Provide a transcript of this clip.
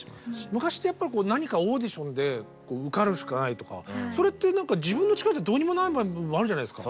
昔ってやっぱり何かオーディションで受かるしかないとかそれって何か自分の力じゃどうにもならない場合もあるじゃないですか。